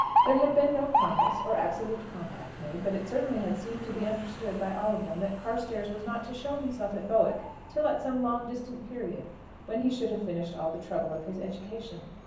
There had been no promise, or absolute compact made, but it certainly had seemed to be understood by all of them that Carstairs was not to show himself at Bowick till at some long distant period, when he should have finished all the trouble of his education.